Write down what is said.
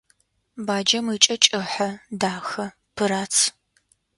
Баджэм ыкӏэ кӏыхьэ, дахэ, пырац.